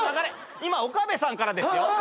今岡部さんからですよ。